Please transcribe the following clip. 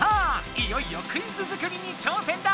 いよいよクイズ作りに挑戦だ。